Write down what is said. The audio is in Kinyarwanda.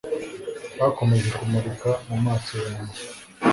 Bakomeje kumurika mu maso yanjye.